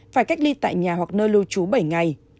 phải cách ly tại nhà hoặc nơi lưu trú bảy ngày